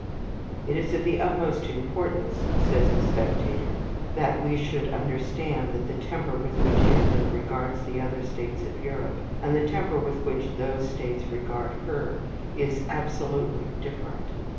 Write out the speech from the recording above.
"It is of the utmost importance," says the "Spectator," "that we should understand that the temper with which England regards the other states of Europe, and the temper with which those states regard her, is absolutely different."